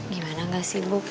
gimana gak sibuk